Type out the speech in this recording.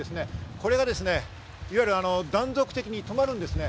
これがですね、いわゆる断続的に止まるんですね。